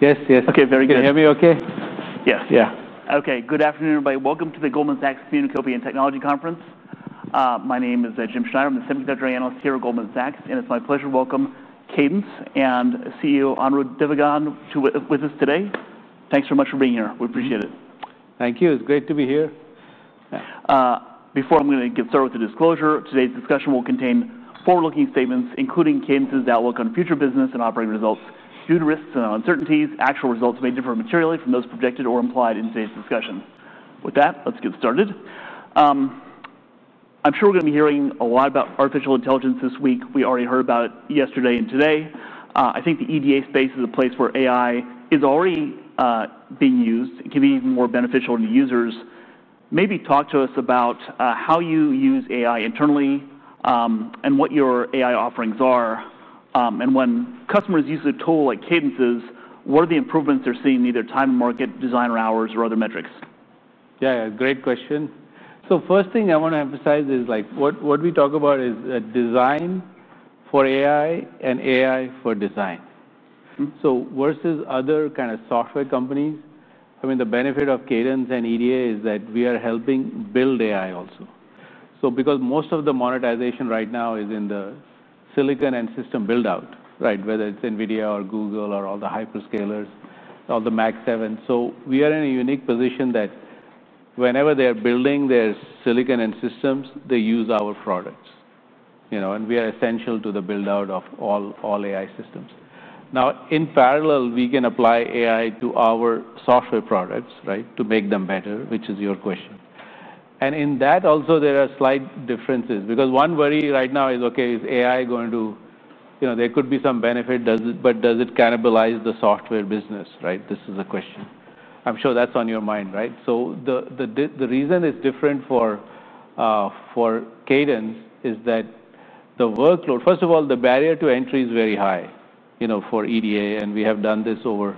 Yes, yes. Okay, very good. Can you hear me okay? Yes. Yeah. Okay. Good afternoon, everybody. Welcome to the Goldman Sachs Communication and Technology Conference. My name is Jim Schneider. I'm the Senior Director of Analysts here at Goldman Sachs, and it's my pleasure to welcome Cadence and Julien Monteiro with us today. Thanks very much for being here. We appreciate it. Thank you. It's great to be here. Before I'm going to get started with the disclosure, today's discussion will contain forward-looking statements, including Cadence's outlook on future business and operating results. Due to risks and uncertainties, actual results may differ materially from those projected or implied in today's discussion. With that, let's get started. I'm sure we're going to be hearing a lot about artificial intelligence this week. We already heard about it yesterday and today. I think the EDA space is a place where AI is already being used. It can be even more beneficial to users. Maybe talk to us about how you use AI internally and what your AI offerings are. When customers use a tool like Cadence's, what are the improvements they're seeing in either time and market designer hours or other metrics? Yeah, great question. First thing I want to emphasize is like what we talk about is a design for AI and AI for design. Versus other kind of software companies, the benefit of Cadence Design Systems and EDA is that we are helping build AI also. Most of the monetization right now is in the silicon and system build-out, right? Whether it's NVIDIA or Google or all the hyperscalers, all the Mach 7. We are in a unique position that whenever they are building their silicon and systems, they use our products, and we are essential to the build-out of all AI systems. In parallel, we can apply AI to our software products to make them better, which is your question. In that, also there are slight differences because one worry right now is, okay, is AI going to, you know, there could be some benefit, but does it cannibalize the software business, right? This is a question. I'm sure that's on your mind, right? The reason it's different for Cadence Design Systems is that the workload, first of all, the barrier to entry is very high for EDA. We have done this over,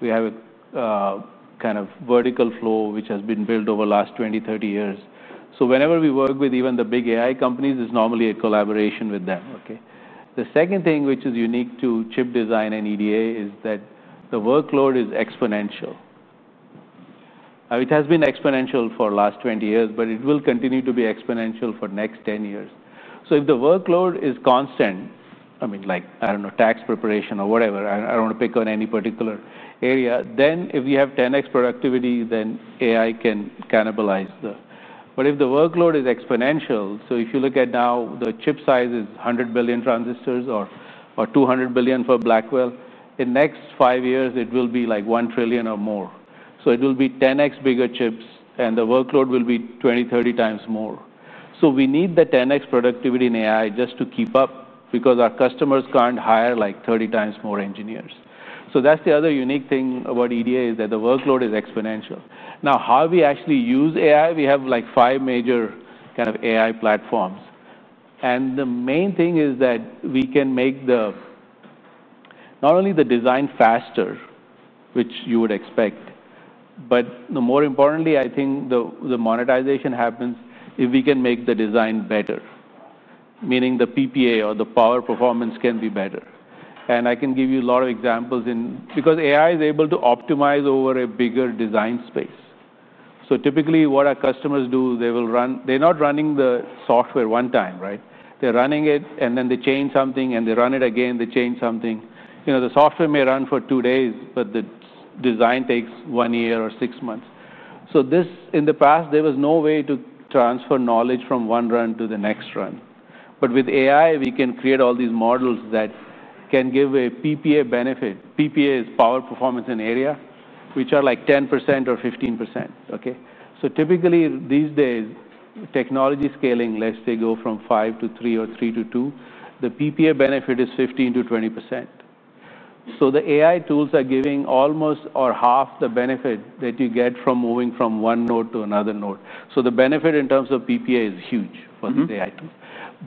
we have a kind of vertical flow which has been built over the last 20, 30 years. Whenever we work with even the big AI companies, it's normally a collaboration with them. The second thing, which is unique to chip design and EDA, is that the workload is exponential. It has been exponential for the last 20 years, but it will continue to be exponential for the next 10 years. If the workload is constant, I mean, like, I don't know, tax preparation or whatever, I don't want to pick on any particular area, then if you have 10x productivity, then AI can cannibalize the, but if the workload is exponential, if you look at now the chip size is 100 billion transistors or 200 billion for Blackwell, in the next five years, it will be like 1 trillion or more. It will be 10x bigger chips and the workload will be 20, 30 times more. We need the 10x productivity in AI just to keep up because our customers can't hire like 30 times more engineers. That's the other unique thing about EDA, the workload is exponential. Now, how we actually use AI, we have like five major kind of AI platforms. The main thing is that we can make not only the design faster, which you would expect, but more importantly, I think the monetization happens if we can make the design better, meaning the PPA or the power performance can be better. I can give you a lot of examples because AI is able to optimize over a bigger design space. Typically what our customers do, they will run, they're not running the software one time, right? They're running it and then they change something and they run it again, they change something. The software may run for two days, but the design takes one year or six months. In the past, there was no way to transfer knowledge from one run to the next run. With AI, we can create all these models that can give a PPA benefit. PPA is power, performance, and area, which are like 10% or 15%. Typically these days, technology scaling, let's say go from five to three or three to two, the PPA benefit is 15% to 20%. The AI tools are giving almost or half the benefit that you get from moving from one node to another node. The benefit in terms of PPA is huge for the AI tools.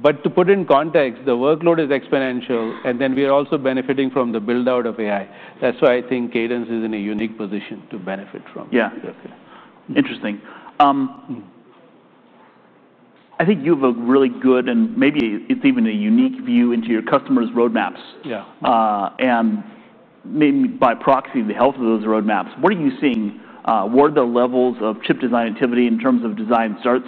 To put in context, the workload is exponential and we are also benefiting from the build-out of AI. That's why I think Cadence is in a unique position to benefit from. Yeah, okay. Interesting. I think you have a really good, and maybe it's even a unique, view into your customers' roadmaps. Yeah. Maybe by proxy the health of those roadmaps. What are you seeing? What are the levels of chip design activity in terms of design starts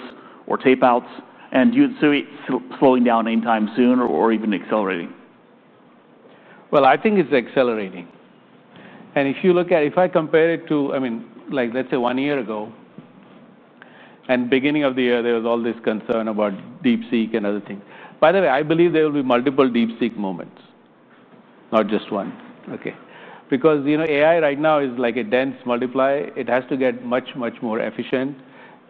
or tape outs? Do you see it slowing down anytime soon or even accelerating? I think it's accelerating. If you look at, if I compare it to, I mean, like let's say one year ago and the beginning of the year, there was all this concern about deep seek and other things. By the way, I believe there will be multiple deep seek moments, not just one, because, you know, AI right now is like a dense multiplier. It has to get much, much more efficient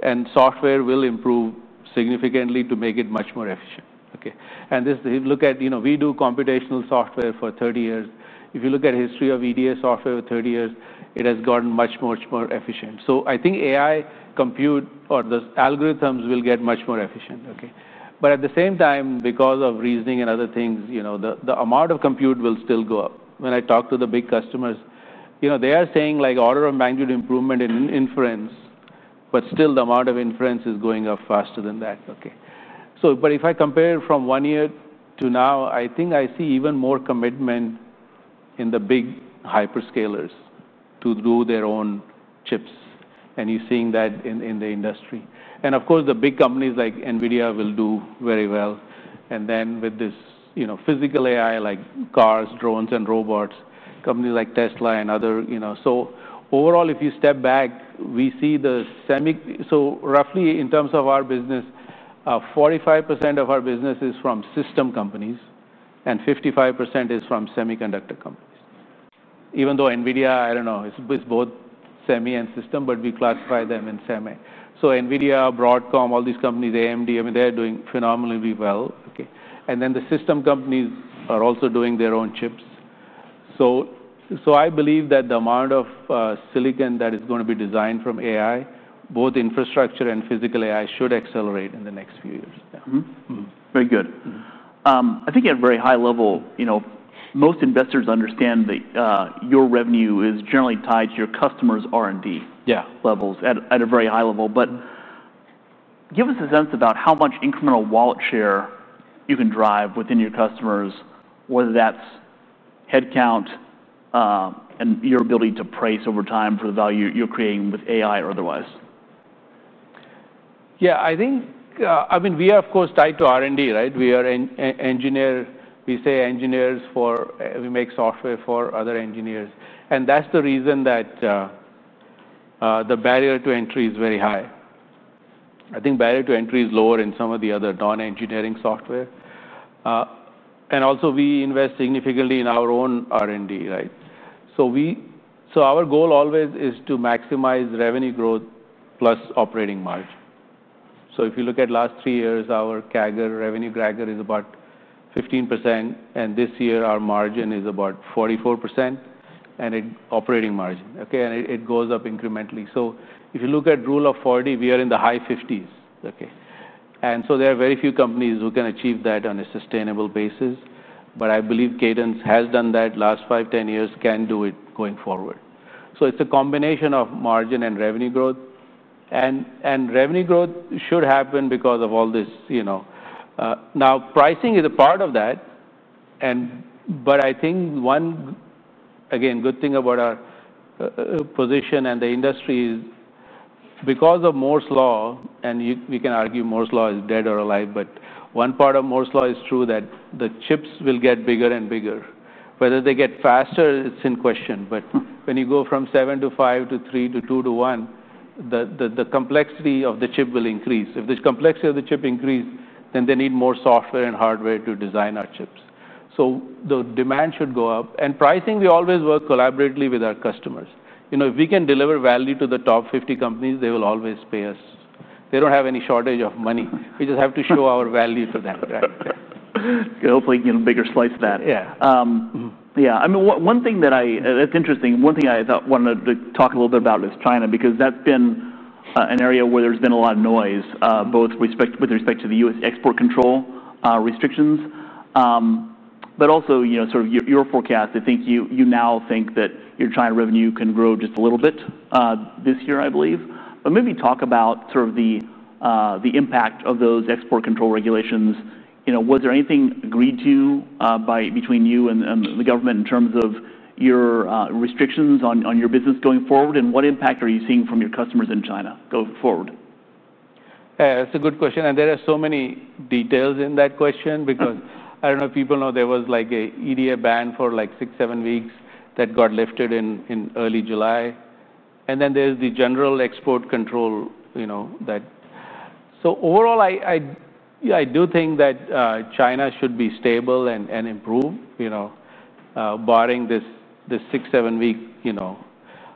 and software will improve significantly to make it much more efficient. If you look at, you know, we do computational software for 30 years. If you look at the history of EDA software for 30 years, it has gotten much, much more efficient. I think AI compute or the algorithms will get much more efficient, but at the same time, because of reasoning and other things, you know, the amount of compute will still go up. When I talk to the big customers, you know, they are saying like order of magnitude improvement in inference, but still the amount of inference is going up faster than that. If I compare it from one year to now, I think I see even more commitment in the big hyperscalers to do their own chips. You're seeing that in the industry. Of course, the big companies like NVIDIA will do very well. With this, you know, physical AI like cars, drones, and robots, companies like Tesla and other, you know, so overall, if you step back, we see the semi, so roughly in terms of our business, 45% of our business is from system companies and 55% is from semiconductor companies. Even though NVIDIA, I don't know, it's both semi and system, but we classify them in semi. NVIDIA, Broadcom, all these companies, AMD, I mean, they're doing phenomenally well. The system companies are also doing their own chips. I believe that the amount of silicon that is going to be designed from AI, both infrastructure and physical AI, should accelerate in the next few years. Very good. I think at a very high level, you know, most investors understand that your revenue is generally tied to your customers' R&D levels at a very high level. Give us a sense about how much incremental wallet share you can drive within your customers, whether that's headcount and your ability to price over time for the value you're creating with AI or otherwise. Yeah, I think, I mean, we are, of course, tied to R&D, right? We are engineers. We say engineers for, we make software for other engineers. That's the reason that the barrier to entry is very high. I think barrier to entry is lower in some of the other non-engineering software. We invest significantly in our own R&D, right? Our goal always is to maximize revenue growth plus operating margin. If you look at the last three years, our CAGR, revenue CAGR, is about 15%. This year, our margin is about 44% and operating margin. It goes up incrementally. If you look at rule of 40, we are in the high fifties. There are very few companies who can achieve that on a sustainable basis. I believe Cadence has done that last five, ten years, can do it going forward. It's a combination of margin and revenue growth. Revenue growth should happen because of all this, you know. Pricing is a part of that. I think one, again, good thing about our position and the industry is because of Moore's law, and we can argue Moore's law is dead or alive, but one part of Moore's law is true that the chips will get bigger and bigger. Whether they get faster, it's in question. When you go from seven to five to three to two to one, the complexity of the chip will increase. If the complexity of the chip increases, then they need more software and hardware to design our chips. The demand should go up. Pricing, we always work collaboratively with our customers. If we can deliver value to the top 50 companies, they will always pay us. They don't have any shortage of money. We just have to show our value to them. Hopefully, you get a bigger slice of that. Yeah. Yeah. I mean, one thing that's interesting, one thing I thought I wanted to talk a little bit about is China, because that's been an area where there's been a lot of noise, both with respect to the U.S. export control restrictions, but also, you know, sort of your forecast. I think you now think that your China revenue can grow just a little bit this year, I believe. Maybe talk about the impact of those export control regulations. Was there anything agreed to between you and the government in terms of your restrictions on your business going forward? What impact are you seeing from your customers in China going forward? Yeah, that's a good question. There are so many details in that question because I don't know if people know there was like an EDA ban for like six, seven weeks that got lifted in early July. Then there's the general export control, you know, that. Overall, I do think that China should be stable and improve, barring this six, seven weeks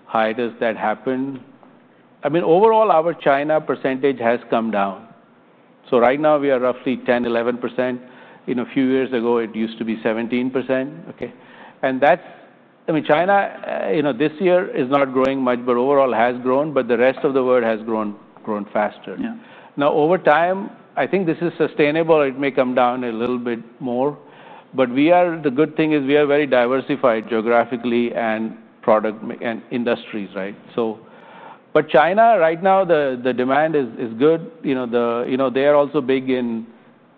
hiatus that happened. I mean, overall, our China percentage has come down. Right now we are roughly 10, 11%. A few years ago it used to be 17%. China this year is not growing much, but overall has grown, but the rest of the world has grown faster. Over time, I think this is sustainable. It may come down a little bit more. The good thing is we are very diversified geographically and product and industries, right? China right now, the demand is good. They are also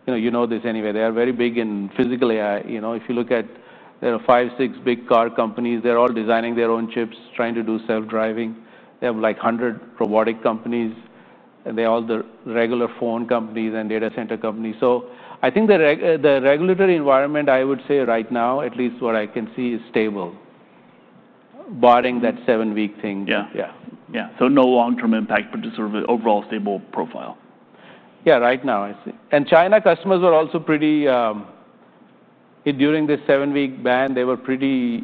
big in physical AI. If you look at five, six big car companies, they're all designing their own chips, trying to do self-driving. They have like 100 robotic companies and they're all the regular phone companies and data center companies. I think the regulatory environment, I would say right now, at least what I can see, is stable, barring that seven-week thing. Yeah, yeah. No long-term impact, just sort of an overall stable profile. Right now I see. China customers were also pretty, during this seven-week ban, they were pretty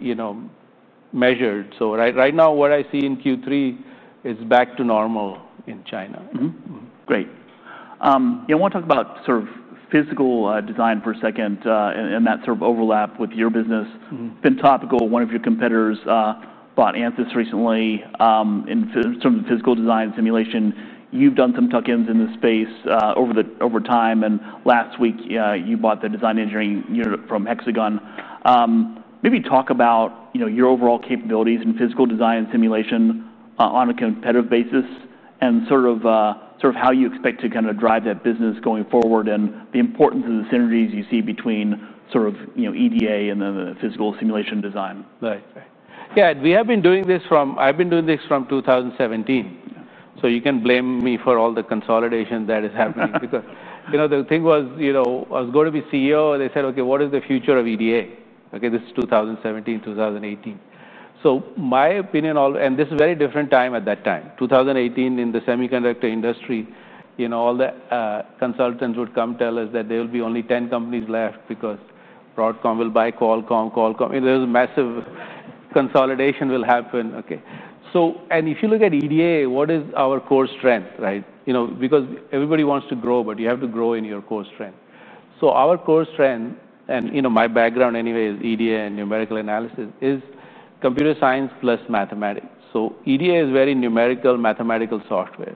measured. Right now what I see in Q3 is back to normal in China. Great. I want to talk about sort of physical design for a second and that sort of overlap with your business. It's been topical. One of your competitors bought Ansys recently in sort of the physical design simulation. You've done some tuck-ins in this space over time. Last week you bought the design engineering unit from Hexagon. Maybe talk about your overall capabilities in physical design and simulation on a competitive basis and sort of how you expect to kind of drive that business going forward and the importance of the synergies you see between EDA and then the physical simulation design. Right, right. Yeah, and we have been doing this from, I've been doing this from 2017. You can blame me for all the consolidation that is happening because, you know, the thing was, you know, I was going to be CEO and they said, okay, what is the future of EDA? Okay, this is 2017, 2018. In my opinion, and this is a very different time at that time, 2018 in the semiconductor industry, all the consultants would come tell us that there will be only 10 companies left because Broadcom will buy Qualcomm. Qualcomm, there's massive consolidation will happen. If you look at EDA, what is our core strength, right? Everybody wants to grow, but you have to grow in your core strength. Our core strength, and you know, my background anyway is EDA and numerical analysis, is computer science plus mathematics. EDA is very numerical, mathematical software,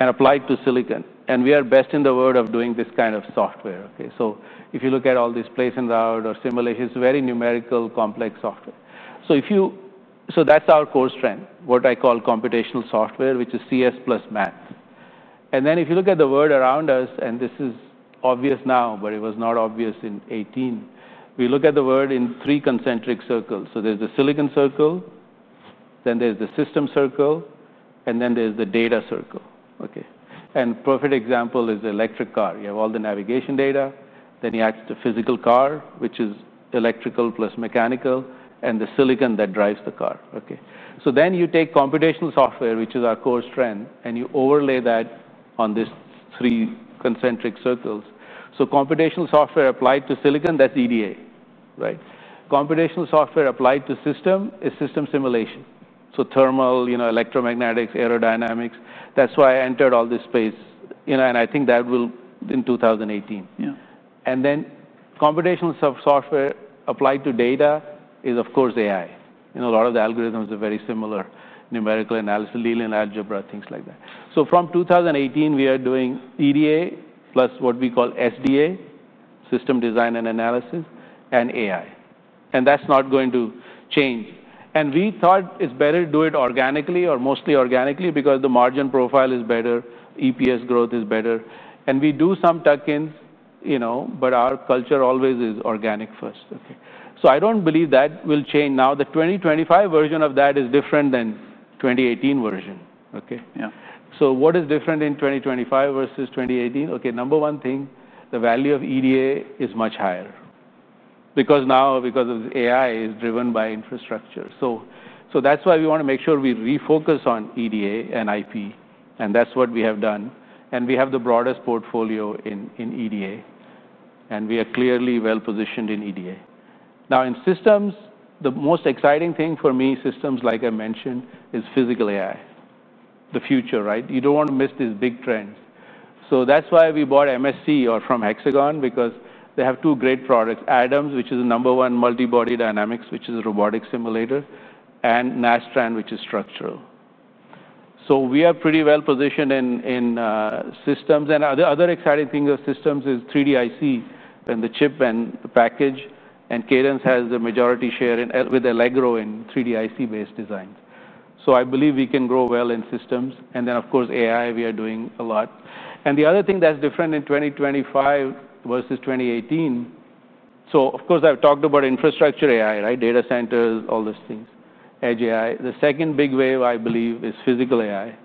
and applied to silicon. We are best in the world at doing this kind of software. If you look at all these places out or simulations, it's very numerical, complex software. That's our core strength, what I call computational software, which is CS plus math. If you look at the world around us, and this is obvious now, but it was not obvious in 2018, we look at the world in three concentric circles. There's the silicon circle, then there's the system circle, and then there's the data circle. A perfect example is the electric car. You have all the navigation data, then you add the physical car, which is electrical plus mechanical, and the silicon that drives the car. You take computational software, which is our core strength, and you overlay that on these three concentric circles. Computational software applied to silicon, that's EDA, right? Computational software applied to system is system simulation. Thermal, electromagnetics, aerodynamics, that's why I entered all this space. I think that will in 2018. Yeah. Computational software applied to data is, of course, AI. A lot of the algorithms are very similar, numerical analysis, linear algebra, things like that. From 2018, we are doing EDA plus what we call SDA, system design and analysis, and AI. That's not going to change. We thought it's better to do it organically or mostly organically because the margin profile is better, EPS growth is better. We do some tuck-ins, you know, but our culture always is organic first. I don't believe that will change. Now the 2025 version of that is different than the 2018 version. What is different in 2025 versus 2018? Number one thing, the value of EDA is much higher because now, because of AI, it is driven by infrastructure. That is why we want to make sure we refocus on EDA and IP, and that's what we have done. We have the broadest portfolio in EDA, and we are clearly well positioned in EDA. In systems, the most exciting thing for me is systems, like I mentioned, is physical AI. The future, right? You don't want to miss these big trends. That is why we bought MSC from Hexagon because they have two great products, Adams, which is the number one multi-body dynamics, which is a robotic simulator, and Nastran, which is structural. We are pretty well positioned in systems. The other exciting thing of systems is 3D IC and the chip and the package. Cadence has the majority share with Allegro in 3D IC-based designs. I believe we can grow well in systems. Of course, AI, we are doing a lot. The other thing that's different in 2025 versus 2018, of course I've talked about infrastructure AI, right? Data centers, all those things, edge AI. The second big wave, I believe, is physical AI,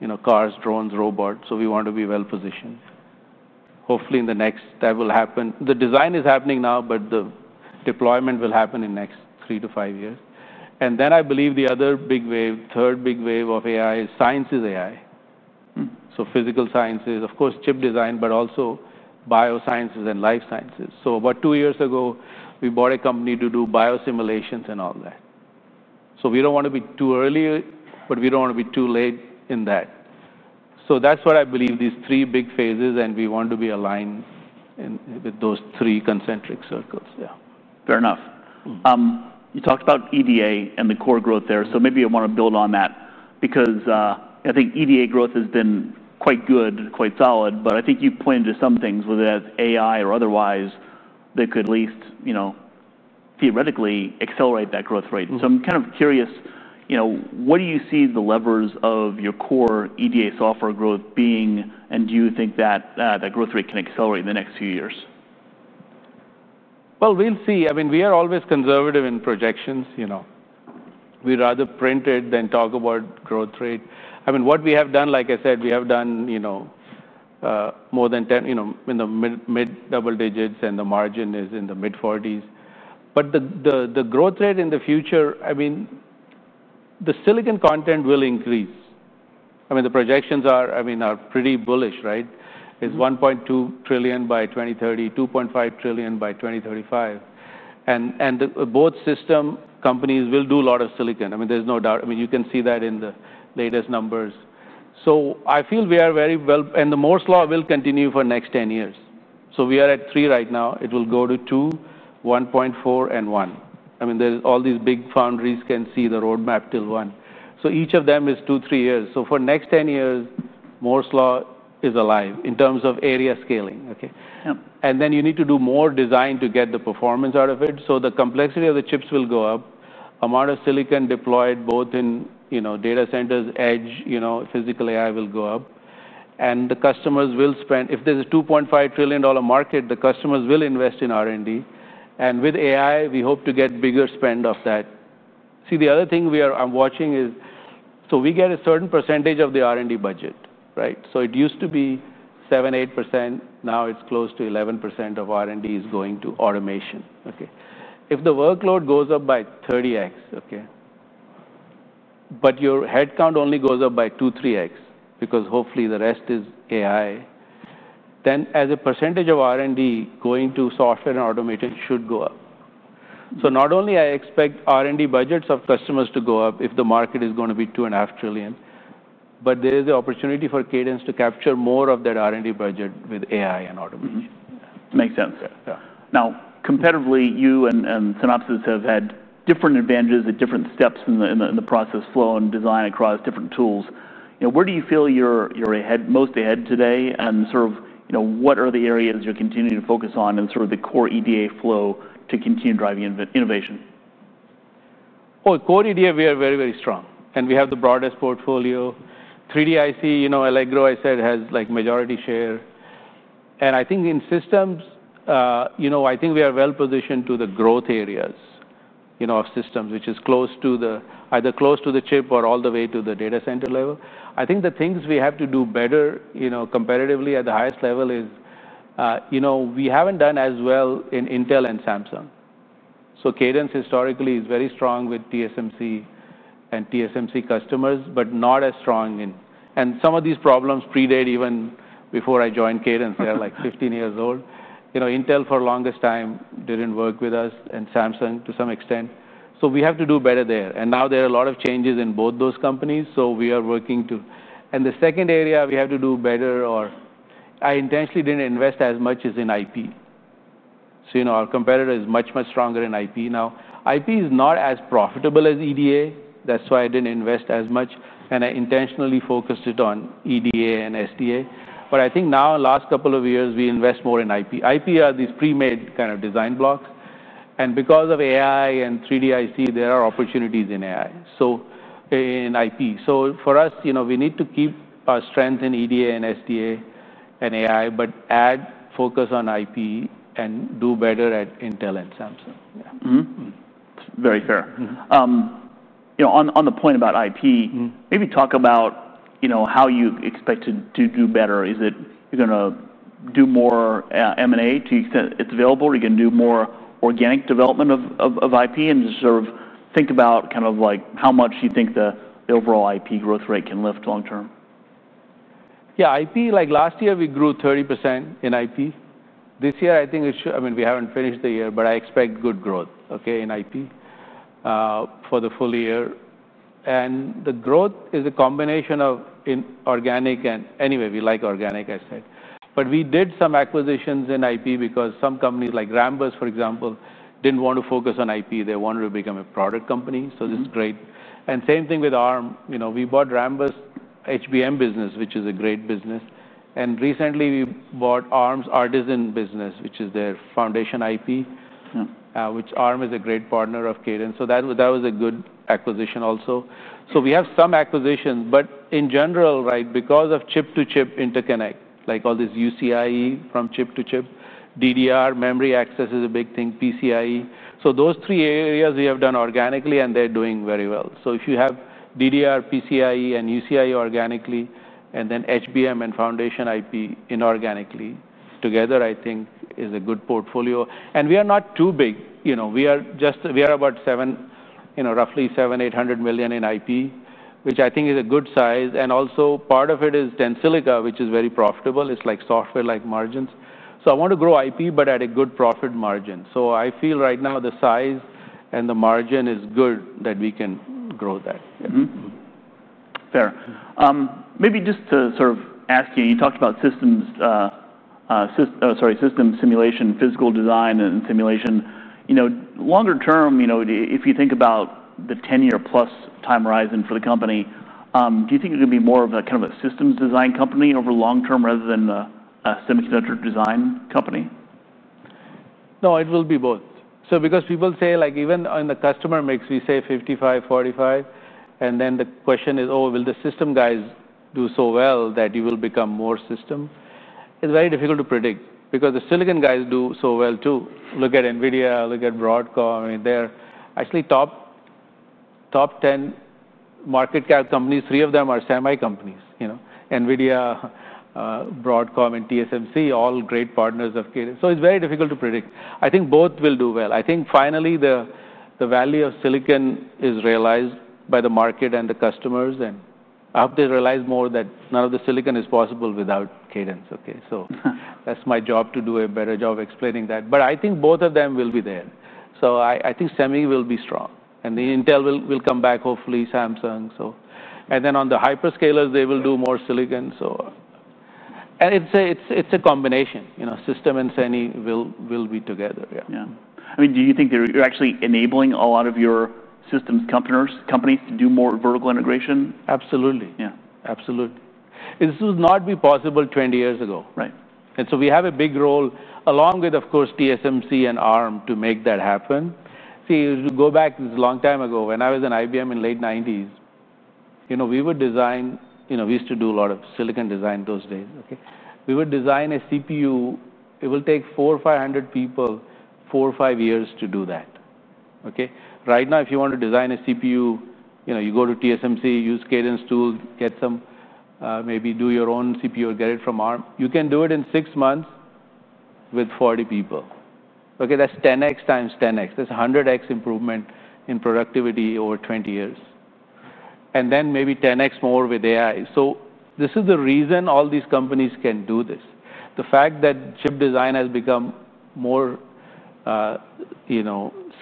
you know, cars, drones, robots. We want to be well positioned. Hopefully in the next that will happen. The design is happening now, but the deployment will happen in the next three to five years. I believe the other big wave, third big wave of AI, science is AI. Physical sciences, of course, chip design, but also biosciences and life sciences. About two years ago, we bought a company to do biosimulations and all that. We don't want to be too early, but we don't want to be too late in that. That is what I believe, these three big phases, and we want to be aligned with those three concentric circles. Yeah, fair enough. You talked about EDA and the core growth there. I want to build on that because I think EDA growth has been quite good, quite solid, but I think you pointed to some things, whether that's AI or otherwise, that could at least, you know, theoretically accelerate that growth rate. I'm kind of curious, you know, what do you see the levers of your core EDA software growth being, and do you think that that growth rate can accelerate in the next few years? We are always conservative in projections, you know. We rather print it than talk about growth rate. What we have done, like I said, we have done more than 10, you know, in the mid double digits and the margin is in the mid 40s. The growth rate in the future, the silicon content will increase. The projections are pretty bullish, right? It's $1.2 trillion by 2030, $2.5 trillion by 2035. Both system companies will do a lot of silicon. There is no doubt. You can see that in the latest numbers. I feel we are very well, and Moore's law will continue for the next 10 years. We are at three right now. It will go to two, 1.4, and one. All these big foundries can see the roadmap till one. Each of them is two, three years. For the next 10 years, Moore's law is alive in terms of area scaling. You need to do more design to get the performance out of it. The complexity of the chips will go up. Amount of silicon deployed both in data centers, edge, physical AI will go up. The customers will spend, if there's a $2.5 trillion market, the customers will invest in R&D. With AI, we hope to get bigger spend of that. The other thing I am watching is, we get a certain percentage of the R&D budget, right? It used to be 7, 8%. Now it's close to 11% of R&D is going to automation. If the workload goes up by 30x, but your headcount only goes up by 2, 3x because hopefully the rest is AI, then as a percentage of R&D going to software and automation should go up. Not only do I expect R&D budgets of customers to go up if the market is going to be $2.5 trillion, but there is the opportunity for Cadence Design Systems to capture more of that R&D budget with AI and automation. Makes sense. Now, competitively, you and Synopsys have had different advantages at different steps in the process flow and design across different tools. Where do you feel you're ahead, most ahead today? What are the areas you're continuing to focus on in the core EDA flow to continue driving innovation? Core EDA, we are very, very strong and we have the broadest portfolio. 3D IC, you know, Allegro, I said, has like majority share. I think in systems, you know, we are well positioned to the growth areas, you know, of systems, which is close to the, either close to the chip or all the way to the data center level. I think the things we have to do better, you know, competitively at the highest level is, you know, we haven't done as well in Intel and Samsung. Cadence historically is very strong with TSMC and TSMC customers, but not as strong in, and some of these problems predate even before I joined Cadence. They're like 15 years old. Intel for the longest time didn't work with us and Samsung to some extent. We have to do better there. Now there are a lot of changes in both those companies. We are working to, and the second area we have to do better, or I intentionally didn't invest as much is in IP. Our competitor is much, much stronger in IP now. IP is not as profitable as EDA. That's why I didn't invest as much. I intentionally focused it on EDA and SDA. I think now in the last couple of years, we invest more in IP. IP are these pre-made kind of design blocks. Because of AI and 3D IC, there are opportunities in AI, so in IP. For us, you know, we need to keep our strength in EDA and SDA and AI, but add focus on IP and do better at Intel and Samsung. Very fair. On the point about IP, maybe talk about how you expect to do better. Is it, you're going to do more M&A to the extent it's available? Are you going to do more organic development of IP and just sort of think about how much you think the overall IP growth rate can lift long term? Yeah, IP, like last year we grew 30% in IP. This year, I think it should, I mean, we haven't finished the year, but I expect good growth, okay, in IP for the full year. The growth is a combination of inorganic and anyway, we like organic, I said. We did some acquisitions in IP because some companies like Rambus, for example, didn't want to focus on IP. They wanted to become a product company. This is great. Same thing with ARM, you know, we bought Rambus HBM business, which is a great business. Recently we bought ARM's Artisan business, which is their foundation IP, which ARM is a great partner of Cadence. That was a good acquisition also. We have some acquisitions, but in general, right, because of chip-to-chip interconnect, like all this UCIE from chip to chip, DDR memory access is a big thing, PCIE. Those three areas we have done organically and they're doing very well. If you have DDR, PCIE, and UCIE organically, and then HBM and foundation IP inorganically together, I think is a good portfolio. We are not too big, you know, we are just, we are about $700 million, you know, roughly $700 million, $800 million in IP, which I think is a good size. Also part of it is Tensilica, which is very profitable. It's like software, like margins. I want to grow IP, but at a good profit margin. I feel right now the size and the margin is good that we can grow that. Fair. Maybe just to sort of ask you, you talked about system simulation, physical design and simulation. If you think about the 10-year plus time horizon for the company, do you think it could be more of a kind of a systems design company over long term rather than a semiconductor design company? No, it will be both. Because people say, like even in the customer mix, we say 55%, 45%. Then the question is, oh, will the system guys do so well that you will become more system? It's very difficult to predict because the silicon guys do so well too. Look at NVIDIA, look at Broadcom. They're actually top 10 market cap companies. Three of them are semi companies, you know, NVIDIA, Broadcom, and TSMC, all great partners of Cadence. It's very difficult to predict. I think both will do well. I think finally the value of silicon is realized by the market and the customers. I hope they realize more that none of the silicon is possible without Cadence. That's my job to do a better job explaining that. I think both of them will be there. I think semi will be strong and Intel will come back, hopefully Samsung. On the hyperscalers, they will do more silicon. It's a combination, you know, system and semi will be together. Yeah. I mean, do you think you're actually enabling a lot of your system companies to do more vertical integration? Absolutely. Yeah, absolutely. This would not be possible 20 years ago, right? We have a big role along with, of course, TSMC and ARM to make that happen. You go back, it was a long time ago when I was in IBM in the late 1990s, we would design, you know, we used to do a lot of silicon design those days. We would design a CPU. It would take 400 or 500 people, four or five years to do that. Right now, if you want to design a CPU, you go to TSMC, use Cadence tool, maybe do your own CPU or get it from ARM. You can do it in six months with 40 people. That's 10x times 10x. That's a 100x improvement in productivity over 20 years. Then maybe 10x more with AI. This is the reason all these companies can do this. The fact that chip design has become more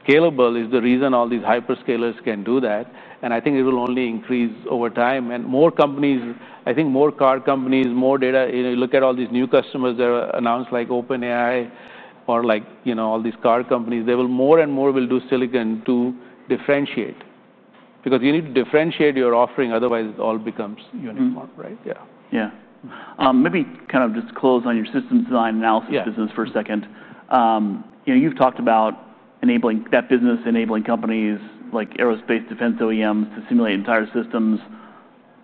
scalable is the reason all these hyperscalers can do that. I think it will only increase over time and more companies, I think more car companies, more data, you look at all these new customers that are announced like OpenAI or like all these car companies, they will more and more do silicon to differentiate because you need to differentiate your offering. Otherwise, it all becomes uniform, right? Yeah. Maybe kind of just close on your system design and analysis business for a second. You've talked about enabling that business, enabling companies like aerospace defense OEMs to simulate entire systems.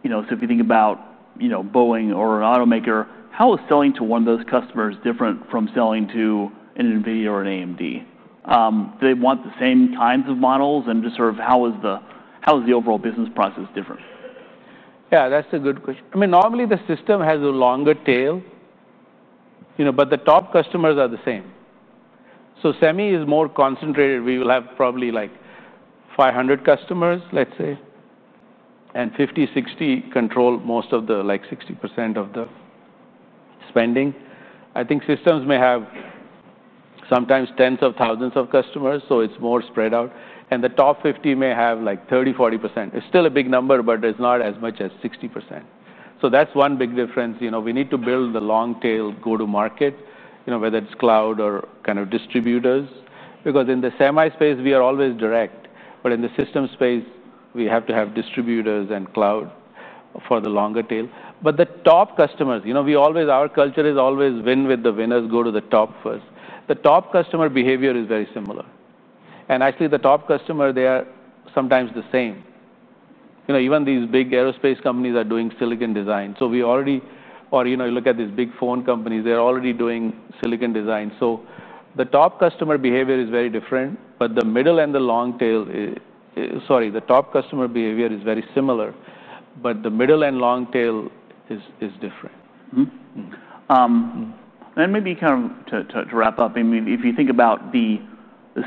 If you think about Boeing or an automaker, how is selling to one of those customers different from selling to an NVIDIA or an AMD? Do they want the same kinds of models and just sort of how is the overall business process different? Yeah, that's a good question. I mean, normally the system has a longer tail, you know, but the top customers are the same. Semi is more concentrated. We will have probably like 500 customers, let's say, and 50, 60 control most of the, like 60% of the spending. I think systems may have sometimes tens of thousands of customers. It's more spread out, and the top 50 may have like 30, 40%. It's still a big number, but it's not as much as 60%. That's one big difference. We need to build the long tail go to market, you know, whether it's cloud or kind of distributors, because in the semi space, we are always direct. In the system space, we have to have distributors and cloud for the longer tail. The top customers, you know, we always, our culture is always win with the winners, go to the top first. The top customer behavior is very similar. Actually, the top customer, they are sometimes the same. Even these big aerospace companies are doing silicon design. We already, or you know, you look at these big phone companies, they're already doing silicon design. The top customer behavior is very similar, but the middle and long tail is different. To wrap up, if you think about the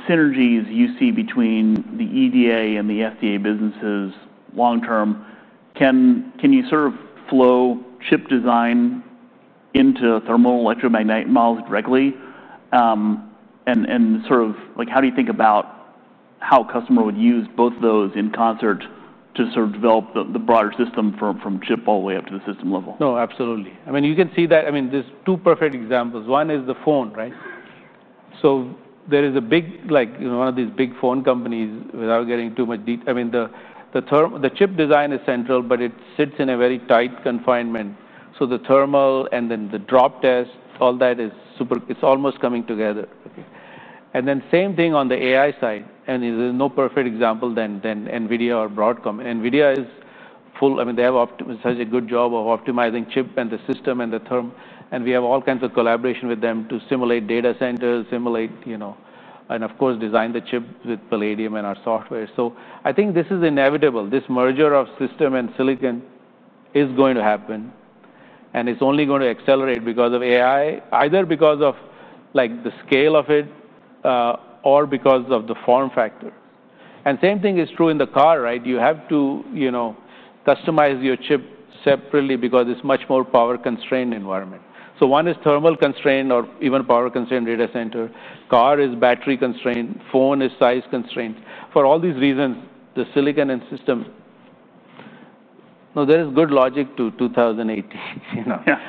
synergies you see between the EDA and the FDA businesses long term, can you sort of flow chip design into thermal electromagnetic models directly? How do you think about how a customer would use both of those in concert to develop the broader system from chip all the way up to the system level? No, absolutely. I mean, you can see that. I mean, there's two perfect examples. One is the phone, right? There is a big, like, you know, one of these big phone companies without getting too much detail. I mean, the chip design is central, but it sits in a very tight confinement. The thermal and then the drop test, all that is super, it's almost coming together. Okay. The same thing on the AI side. There's no perfect example than NVIDIA or Broadcom. NVIDIA is full. I mean, they have such a good job of optimizing chip and the system and the therm. We have all kinds of collaboration with them to simulate data centers, simulate, you know, and of course design the chip with Palladium and our software. I think this is inevitable. This merger of system and silicon is going to happen. It's only going to accelerate because of AI, either because of the scale of it, or because of the form factor. The same thing is true in the car, right? You have to, you know, customize your chip separately because it's a much more power constrained environment. One is thermal constrained or even power constrained data center. Car is battery constrained. Phone is size constraint. For all these reasons, the silicon and system, no, there is good logic to 2018.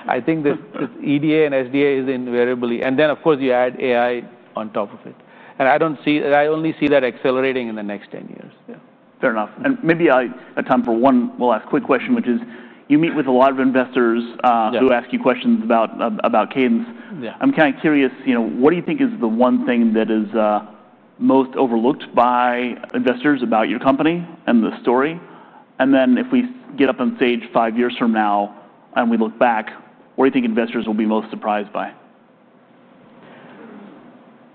I think that EDA and SDA is invariably. Of course you add AI on top of it. I don't see, I only see that accelerating in the next 10 years. Yeah, fair enough. Maybe I have time for one last quick question, which is you meet with a lot of investors who ask you questions about Cadence. I'm kind of curious, you know, what do you think is the one thing that is most overlooked by investors about your company and the story? If we get up on stage five years from now and we look back, what do you think investors will be most surprised by?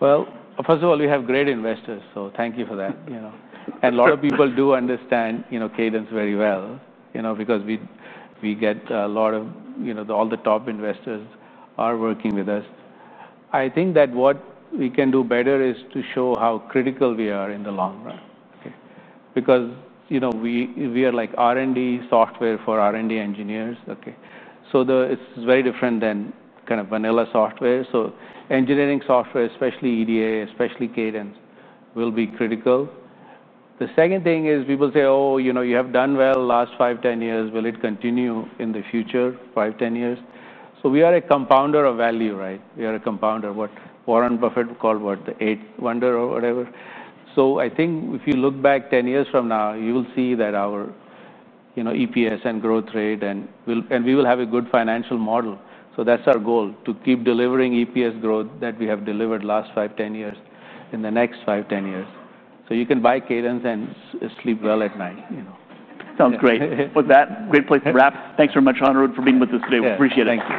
First of all, you have great investors. Thank you for that. A lot of people do understand Cadence very well because we get a lot of all the top investors working with us. I think what we can do better is to show how critical we are in the long run because we are like R&D software for R&D engineers. It is very different than kind of vanilla software. Engineering software, especially EDA, especially Cadence, will be critical. The second thing is people say, oh, you have done well last five, 10 years. Will it continue in the future, five, 10 years? We are a compounder of value, right? We are a compounder, what Warren Buffett called the eighth wonder or whatever. I think if you look back 10 years from now, you will see that our EPS and growth rate, and we will have a good financial model. That is our goal, to keep delivering EPS growth that we have delivered last five, 10 years in the next five, 10 years. You can buy Cadence and sleep well at night. Sounds great. That's a great place to wrap. Thanks very much, Anirudh, for being with us today. Appreciate it. Thank you.